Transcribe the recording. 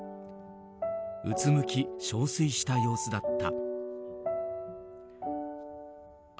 うつむき、憔悴した様子だった。